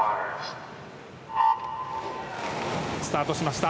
スタートしました。